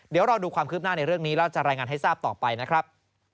เดี๋ยวรอดูความคืบหน้าในเรื่องนี้แล้วจะรายงานให้ทราบต่อไปนะครับ